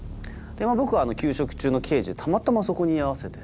僕は休職中の刑事でたまたまそこに居合わせて。